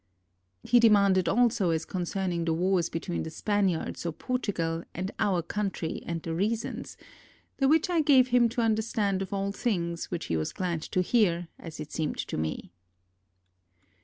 He demanded also as concerning the wars between the Spaniards or Portugal and our country and the reasons; the which I gave him to un derstand of all things, which he was glad to hear, as it seemed to me.